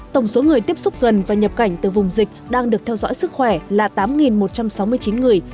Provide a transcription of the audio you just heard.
tổng số người tiếp xúc gần và nhập cảnh từ vùng dịch đang được theo dõi sức khỏe là tám một trăm sáu mươi chín người